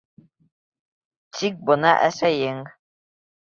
Тик бына әсәйең...